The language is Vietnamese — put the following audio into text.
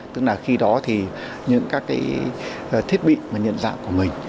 tức là khi đó thì những các cái thiết bị mà nhận dạng của mình